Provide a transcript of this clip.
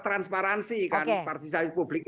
transparansi karena partisipasi publik